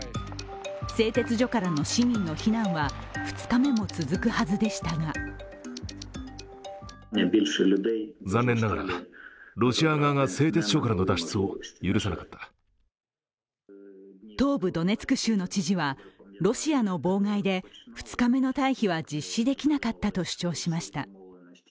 製鉄所からの市民の避難は２日目も続くはずでしたが東部ドネツク州の知事はロシアの妨害で、２日目の退避は実施できなかったと主張しました。